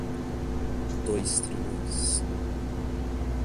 Dois trilhões